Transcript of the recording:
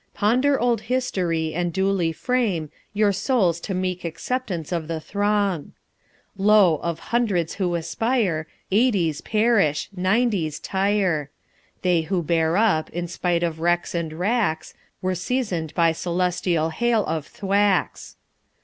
Ponder old history, and duly frame Your souls to meek acceptance of the thong. Lo! of hundreds who aspire, Eighties perish nineties tire! They who bear up, in spite of wrecks and wracks, Were season 'd by celestial hail of thwacks.